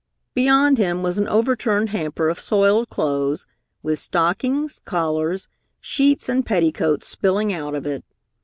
Beyond him was an overturned hamper of soiled clothes, with stockings, collars, sheets and petticoats spilling out of it.